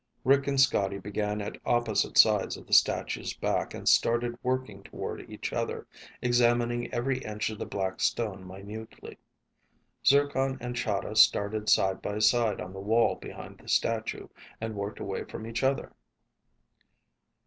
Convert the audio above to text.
Rick and Scotty began at opposite sides of the statue's back and started working toward each other, examining every inch of the black stone minutely. Zircon and Chahda started side by side on the wall behind the statue and worked away from each other.